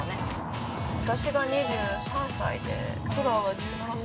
私が２３歳で、トラは１７歳？